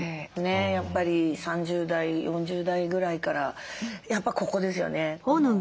やっぱり３０代４０代ぐらいからやっぱここですよね。